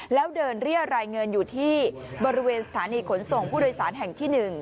แล้วเดินเรียรายเงินอยู่ที่บริเวณสถานีขนส่งผู้โดยสารแห่งที่๑